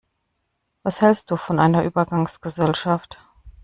Was hältst du von einer Übergangsgesellschaft?